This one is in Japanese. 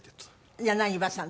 「柳葉さん」？